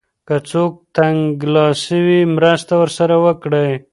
که څوک تنګلاسی وي مرسته ورسره وکړئ.